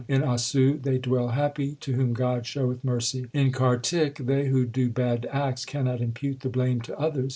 In Assu they dwell happy to whom God showeth mercy. In Kartik they who do bad acts cannot impute the blame to others.